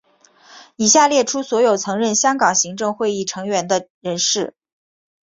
以下列出所有曾任香港行政会议成员的人士。